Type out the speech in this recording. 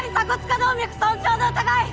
動脈損傷の疑い！